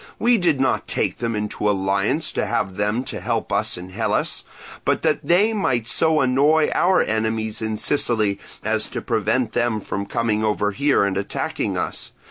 We did not take them into alliance to have them to help us in Hellas, but that they might so annoy our enemies in Sicily as to prevent them from coming over here and attacking us.